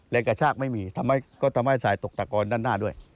กระชากไม่มีก็ทำให้สายตกตะกอนด้านหน้าด้วย